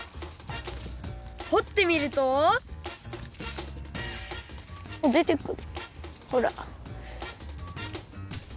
ほってみるとでてくるほら。